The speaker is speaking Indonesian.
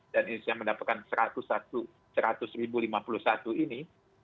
dan insinyur yang mendapatkan rp seratus rp satu lima puluh satu ini